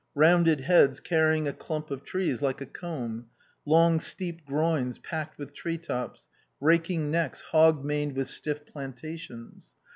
Rounded heads carrying a clump of trees like a comb; long steep groins packed with tree tops; raking necks hog maned with stiff plantations.